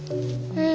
うん。